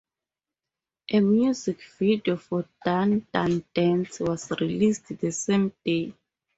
A music video for "Dun Dun Dance" was released the same day.